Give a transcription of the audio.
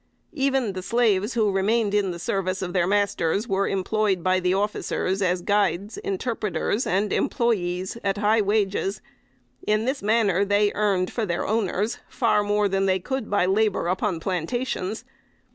Even the slaves who remained in the service of their masters were employed by the officers as guides, interpreters and employees at high wages. In this manner they earned for their owners far more than they could by labor upon plantations.